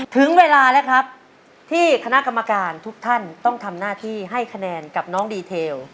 ถึงเวลาแล้วครับที่คณะกรรมการทุกท่านต้องทำหน้าที่ให้คะแนนกับน้องดีเทล